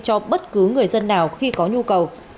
cho bất cứ người dân nào khi có nhu cầu